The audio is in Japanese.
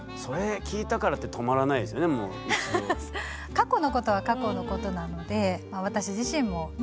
過去のことは過去のことなので私自身もね